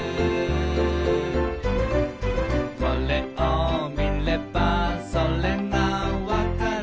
「これを見ればそれが分かる」